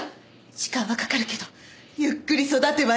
時間はかかるけどゆっくり育てばいい。